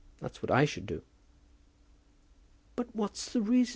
That's what I should do." "But what's the reason?